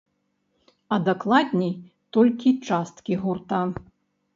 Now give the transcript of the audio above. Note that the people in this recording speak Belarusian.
А дакладней, толькі часткі гурта.